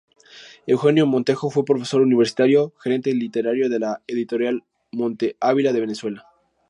Eugenio Montejo fue profesor universitario, gerente literario de la editorial Monte Ávila de Venezuela.